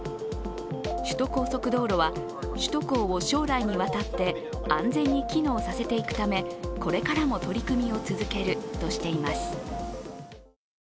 首都高速道路は、首都高を将来にわたって安全に機能させていくため、これからも取り組みを続けるとしています。